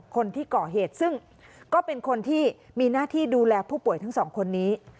คนที่ก่อเหตุซึ่งก็เป็นคนที่มีหน้าที่ดูแลผู้ป่วยทั้งสองคนนี้